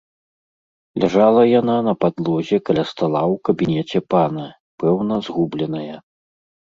Ляжала яна на падлозе каля стала ў кабінеце пана, пэўна, згубленая.